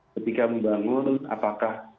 ketika membangun apakah